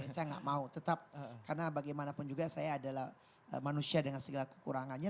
saya nggak mau tetap karena bagaimanapun juga saya adalah manusia dengan segala kekurangannya